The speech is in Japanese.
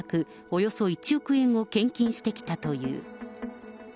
およそ１億円を献金してきたという。